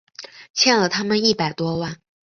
欠了他们一百多万